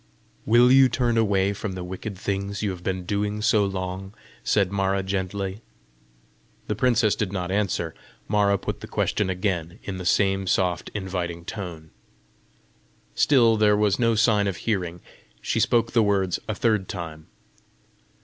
"Will you turn away from the wicked things you have been doing so long?" said Mara gently. The princess did not answer. Mara put the question again, in the same soft, inviting tone. Still there was no sign of hearing. She spoke the words a third time.